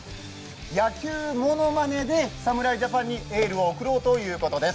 野球ものまねで侍ジャパンにエールを送ろうということです。